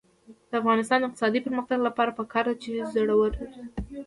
د افغانستان د اقتصادي پرمختګ لپاره پکار ده چې زړور اوسو.